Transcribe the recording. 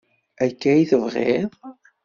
Akka i tebɣiḍ?